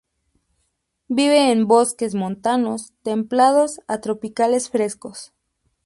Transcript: Vive en bosques montanos templados a tropicales frescos.